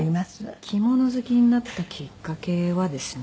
着物好きになったきっかけはですね